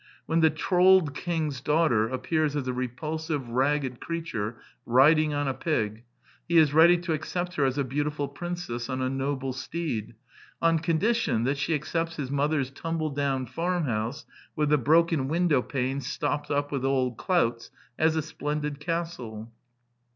When the Trold king's daugh ter appears as a repulsive ragged creature riding on a pig, he is ready to accept her as a beauti ful princess on a noble steed, on condition that she accepts his mother's tumble down farmhouse, with the broken window panes stopped up with old clouts, as a splendid castle.